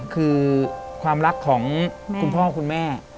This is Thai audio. คือความรักของคุณพ่อคุณแม่